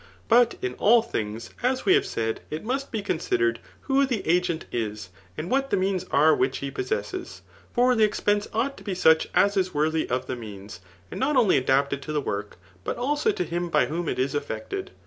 But m all things, as we have said, it must be considered who the agent. is, and what the means are which he possesses. For the expense ought to be such as is worthy of the means, and not only adapted to the work, but also to him by whom it is effected.